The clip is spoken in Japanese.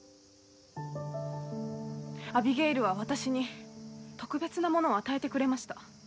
アビゲイルは私に特別なものを与えてくれました。